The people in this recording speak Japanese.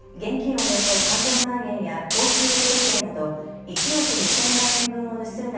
およそ３０００万円や高級腕時計など１億２０００万円分を盗んだ